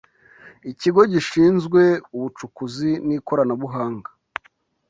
ikigo gishinzwe ubucukuzi n'ikoranabuhanga